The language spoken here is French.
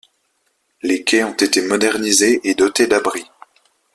Les quais ont été modernisés et dotés d’abris.